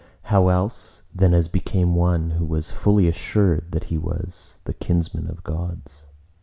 How else than as became one who was fully assured that he was the kinsman of Gods?